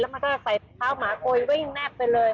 มันก็ใส่เท้าหมาโกยวิ่งแนบไปเลย